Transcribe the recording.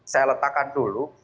saya letakkan dulu